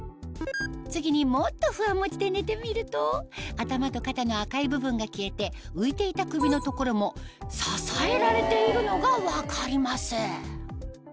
次にＭｏｔｔｏＦｕｗａＭｏｃｈｉで寝てみると頭と肩の赤い部分が消えて浮いていた首の所も支えられているのが分かります